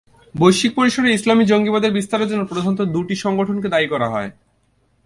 বৈশ্বিক পরিসরে ইসলামি জঙ্গিবাদের বিস্তারের জন্য প্রধানত দুটো সংগঠনকে দায়ী করা হয়।